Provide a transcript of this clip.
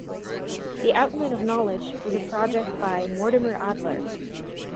The "Outline of Knowledge" was a project by Mortimer Adler.